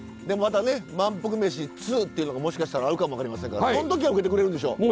でもまたね「まんぷくメシ！２」っていうのがもしかしたらあるかも分かりませんからその時は受けてくれるんでしょ？